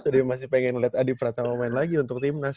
gitu deh masih pengen liat adi pratamo main lagi untuk tim nas